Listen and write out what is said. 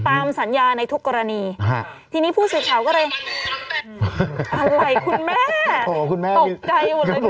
ตามสัญญาณในทุกกรณีฮะทีนี้ผู้สิทธิ์ข่าวก็เลยอะไรคุณแม่โหคุณแม่ตกใจหมดเลย